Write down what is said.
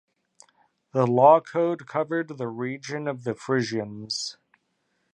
The law code covered the region of the Frisians.